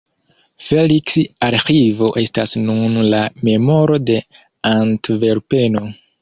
Feliks-Arĥivo estas nun la memoro de Antverpeno.